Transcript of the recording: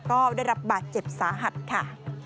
ก็ได้รับบาดเจ็บสาหัสค่ะ